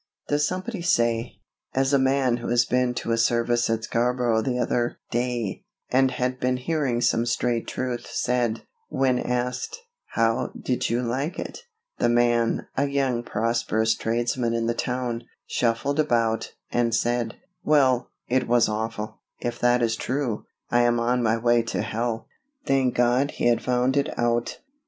Does somebody say, as a man who had been to a service at Scarborough the other, day, and had been hearing some straight truth, said, when asked, "How did you like it?" The man, a young, prosperous tradesman in the town, shuffled about, and said: "Well, it was awful; if that is true, I am on my way to hell." Thank God he had found it out.